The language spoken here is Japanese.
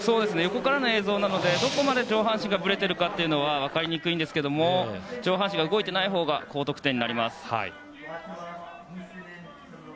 横からの映像なのでどこまで上半身がぶれているかは分かりにくいんですけど上半身が動いていないほうが高得点になります。